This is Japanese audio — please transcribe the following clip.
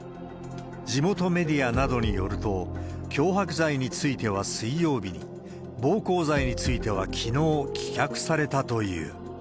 地元メディアなどによると、脅迫罪については水曜日に、暴行罪についてはきのう、棄却されたという。